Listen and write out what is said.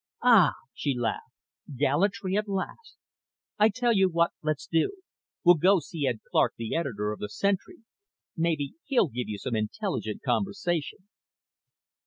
"Ah," she laughed, "gallantry at last. I'll tell you what let's do. We'll go see Ed Clark, the editor of the Sentry. Maybe he'll give you some intelligent conversation."